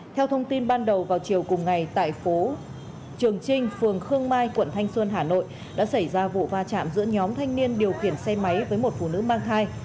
theo thông tin ban đầu vào chiều cùng ngày tại phố trường trinh phường khương mai quận thanh xuân hà nội đã xảy ra vụ va chạm giữa nhóm thanh niên điều khiển xe máy với một phụ nữ mang thai